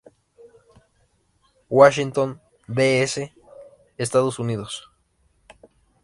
Washington D. C., Estados Unidos.